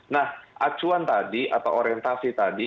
nah acuan tadi atau orientasi tadi